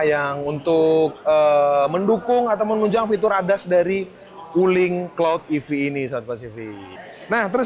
yang untuk mendukung atau menunjang fitur adas dari wuling cloud ev ini saat pasifik nah terus